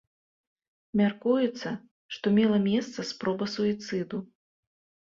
Мяркуецца, што мела месца спроба суіцыду.